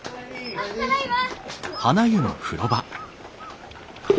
あっただいま。